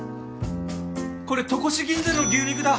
これ戸越銀座の牛肉だ。